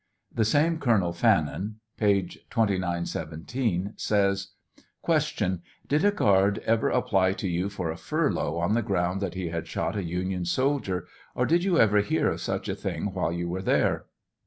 The same Colonel Fannin (page 2917) says : Q. Did a guard ever apply to you for a furlough, on the ground that he had shot a Union soldier, or did you ever hear of such a thing while you were there